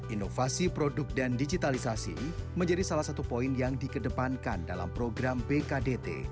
inovasi produk dan digitalisasi menjadi salah satu poin yang dikedepankan dalam program bkdt